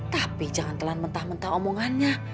tapi jangan telan mentah mentah omongannya